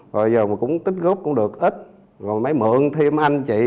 rồi giờ mà cũng tích gốc cũng được ít rồi mới mượn thêm anh chị